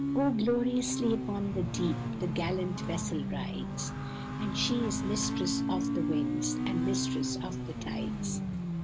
"O gloriously upon the deep The gallant vessel rides, And she is mistress of the winds, And mistress of the tides."